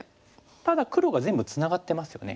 ただ黒が全部ツナがってますよね。